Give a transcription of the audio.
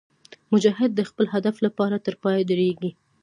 مجاهد د خپل هدف لپاره تر پایه درېږي.